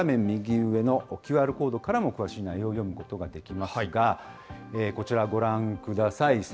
右上のＱＲコードからも詳しい内容を読むことができますが、こちらご覧ください。